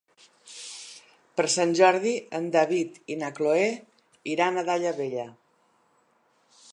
Per Sant Jordi en David i na Cloè iran a Daia Vella.